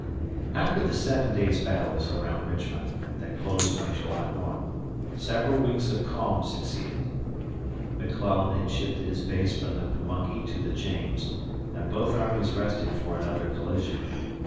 After the Seven Days' Battles around Richmond, that closed on July 1, several weeks of calm succeeded. McClellan had shifted his base from the Pamunkey to the James, and both armies rested for another collision.